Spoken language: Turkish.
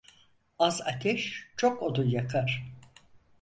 Az ateş çok odunu yakar.